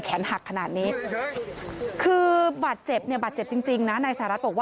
แขนหักอยู่เหนื่อยอยู่เหนื่อย